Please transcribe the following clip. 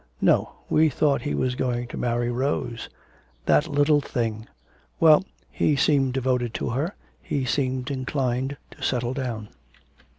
'No; we thought he was going to marry Rose.' 'That little thing!' 'Well, he seemed devoted to her. He seemed inclined to settle down.'